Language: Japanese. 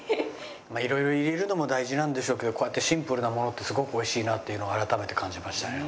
色々入れるのも大事なんでしょうけどこうやってシンプルなものってすごく美味しいなっていうのを改めて感じましたね